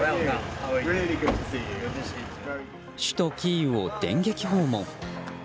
首都キーウを電撃訪問。